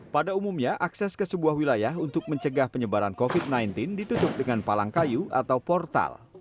pada umumnya akses ke sebuah wilayah untuk mencegah penyebaran covid sembilan belas ditutup dengan palang kayu atau portal